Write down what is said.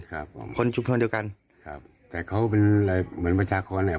ครับคนชุมชนเดียวกันครับแต่เขาเป็นอะไรเหมือนว่าเจ้าของเนี้ย